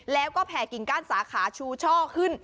แล้วก็แผ่กิ่งก้านสาขาชูช่อขึ้น